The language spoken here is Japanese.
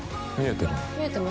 見えてるの？